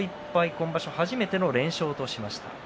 今場所初めての連勝としました。